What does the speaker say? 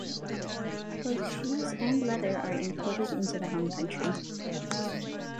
Both shoes and leather are imported into the home country.